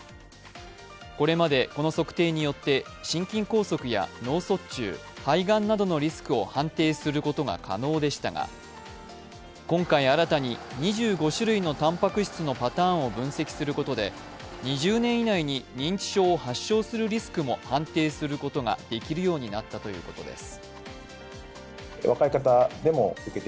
これまで、この測定によって心筋梗塞や脳卒中肺がんなどのリスクを判定することが可能でしたが、今回新たに、２５種類のたんぱく質のパターンを分析することで２０年以内に、認知症を発症するリスクも判定することができるようになったということです。